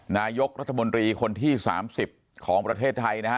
นายกรัฐมนตรีคนที่๓๐ของประเทศไทยนะฮะ